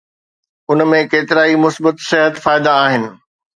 ان ۾ ڪيترائي مثبت صحت فائدا آھن